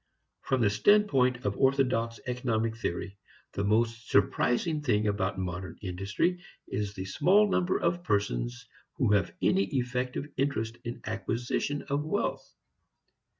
From the standpoint of orthodox economic theory, the most surprising thing about modern industry is the small number of persons who have any effective interest in acquisition of wealth.